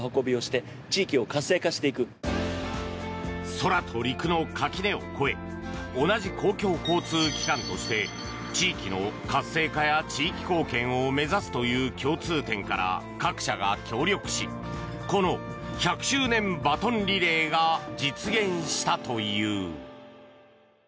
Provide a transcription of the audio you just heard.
空と陸の垣根を越え同じ公共交通機関として地域の活性化や地域貢献を目指すという共通点から各社が協力しこの１００周年バトンリレーが実現したという。